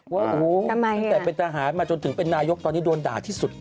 ตั้งแต่เป็นทหารมาจนถึงเป็นนายกตอนนี้โดนด่าที่สุด